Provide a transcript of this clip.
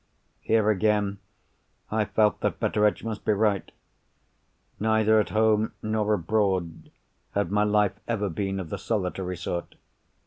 Here again, I felt that Betteredge must be right. Neither at home nor abroad had my life ever been of the solitary sort.